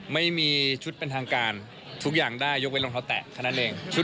ไม่มีชุดเป็นทางการทุกอย่างได้ยกเว้นรองเท้าแตะแค่นั้นเอง